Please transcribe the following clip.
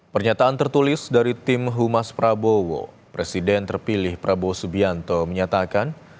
pernyataan tertulis dari tim humas prabowo presiden terpilih prabowo subianto menyatakan